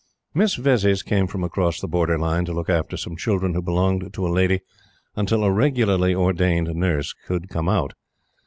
Miss Vezzis came from across the Borderline to look after some children who belonged to a lady until a regularly ordained nurse could come out.